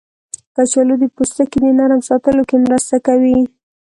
کچالو د پوستکي د نرم ساتلو کې مرسته کوي.